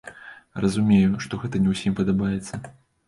Разумею, што гэта не ўсім падабаецца.